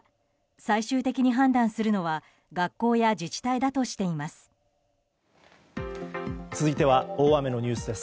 最終的に判断するのは学校や自治体だとしています。